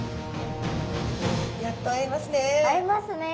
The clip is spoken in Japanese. やっと会えますね。